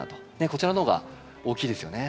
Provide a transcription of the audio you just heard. こちらの方が大きいですよね